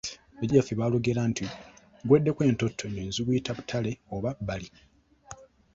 Bajjajjaffe baalugera nti "Guweddeko entonto enyonyi ziguyita ttale oba bbali".